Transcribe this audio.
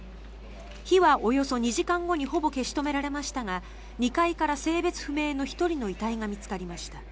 火はおよそ２時間後にほぼ消し止められましたが２階から性別不明の１人の遺体が見つかりました。